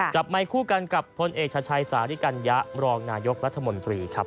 จับไมล์คู่กันพลเอกชัดชัยสาริจะบรองนายกรัฐมนตรีครับ